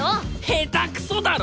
下手くそだろ！